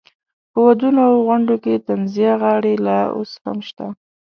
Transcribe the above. په ودونو او غونډو کې طنزیه غاړې لا اوس هم شته.